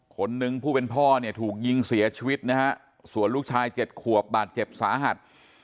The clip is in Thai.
คนหนึ่งผู้เป็นพ่อเนี่ยถูกยิงเสียชีวิตนะฮะส่วนลูกชาย๗ขวบบาดเจ็บสาหัส